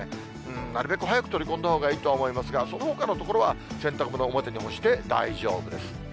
なるべく早く取り込んだほうがいいとは思いますが、そのほかの所は洗濯物、表に干して大丈夫です。